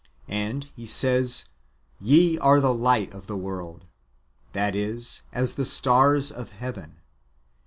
And He says, " Ye are the light of the world ;"* that is, as the stars of heaven.